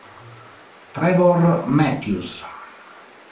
Trevor Matthews